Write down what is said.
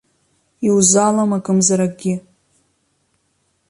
Иузалам акымзар акгьы!